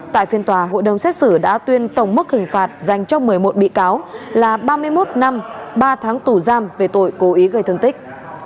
tại phiên tòa hội đồng xét xử đã tuyên tổng mức hình phạt dành cho một mươi một bị cáo là ba mươi một năm ba tháng tù giam về tội cố ý gây thương tích